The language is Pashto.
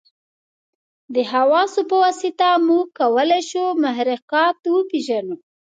د حواسو په واسطه موږ کولای شو محرکات وپېژنو.